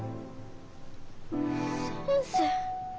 先生。